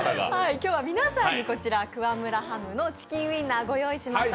今日は皆さんにクワムラハムのチキンウインナーご用意しました。